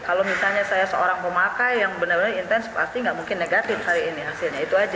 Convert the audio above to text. kalau misalnya saya seorang pemakai yang benar benar intens pasti nggak mungkin negatif hari ini hasilnya itu aja